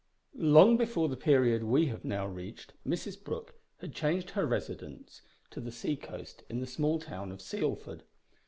Long before the period we have now reached Mrs Brooke had changed her residence to the sea coast in the small town of Sealford.